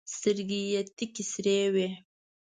سترګي یې تکي سرې وې !